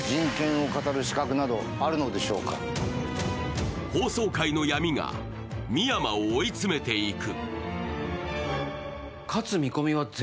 更に法曹界の闇が深山を追い詰めていく。